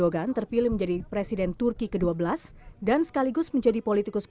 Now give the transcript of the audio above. kami siap untuk melindungi mereka